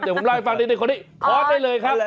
เดี๋ยวผมล่าให้ฟังนิดคนที่พอได้เลยครับ